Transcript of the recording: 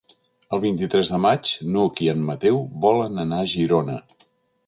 El vint-i-tres de maig n'Hug i en Mateu volen anar a Girona.